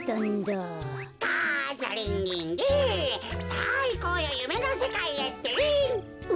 さあいこうよゆめのせかいへってリン。